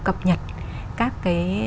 cập nhật các cái